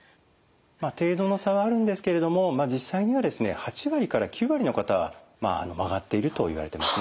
程度の差はあるんですけれども実際にはですね８割から９割の方は曲がっているといわれてますね。